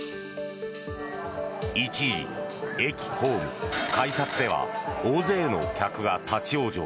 一時、駅ホーム、改札では大勢の客が立ち往生。